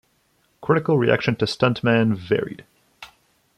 Critical reaction to "Stuntman" varied.